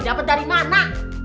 dapat dari mana